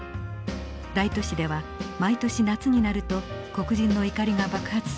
大都市では毎年夏になると黒人の怒りが爆発するようになります。